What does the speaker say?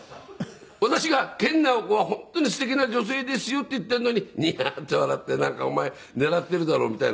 私が研ナオコは本当にすてきな女性ですよって言っているのにニヤッと笑ってなんかお前狙っているだろみたいな。